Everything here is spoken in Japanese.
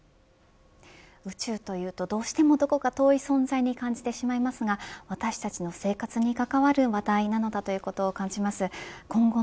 宇宙というとどうしてもどこか遠い存在に感じてしまいますが私たちの生活に関わる話題なんだと感じます。